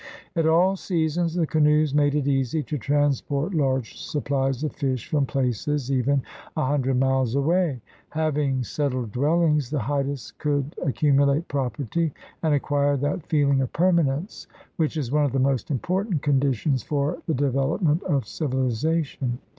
At all seasons the canoes made it easy to transport large supplies of fish from places even a hundred miles away. Having settled dwellings, the Haidas could ac cumulate property and acquire that feeling of permanence which is one of the most important conditions for the development of civilization.